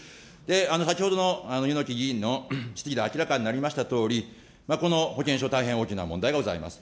先ほどの柚木議員の質疑で明らかになりましたとおり、この保険証、大変大きな問題がございます。